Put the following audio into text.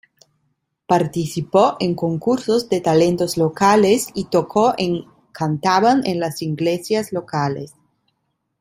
Participó en concursos de talentos locales, y tocó en cantaban en las iglesias locales.